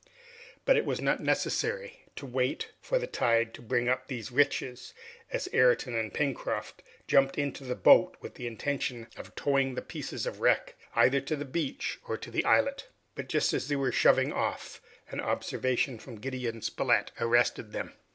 But it was not necessary to wait for the tide to bring up these riches, and Ayrton and Pencroft jumped into the boat with the intention of towing the pieces of wreck either to the beach or to the islet. But just as they were shoving off, an observation from Gideon Spilett arrested them.